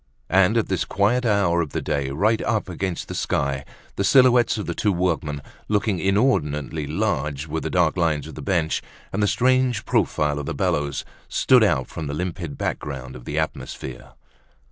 And, at this quiet hour of the day, right up against the sky, the silhouettes of the two workmen, looking inordinately large, with the dark line of the bench, and the strange profile of the bellows, stood out from the limpid back ground of the atmosphere.